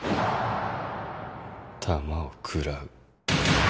弾を食らう。